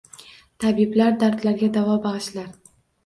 Tabiblar dardlarga davo bag’ishlar